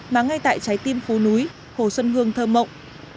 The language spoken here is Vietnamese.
mà ngay tại trái tim phố núi hồ xuân hương thơ mộng